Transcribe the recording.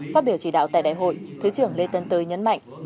phát biểu chỉ đạo tại đại hội thứ trưởng lê tân tới nhấn mạnh